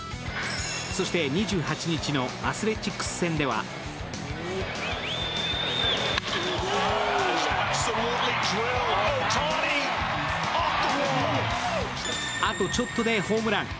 そして２８日のアスレチックス戦ではあとちょっとでホームラン！